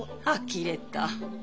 あきれた。